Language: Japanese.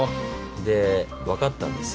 でわかったんです。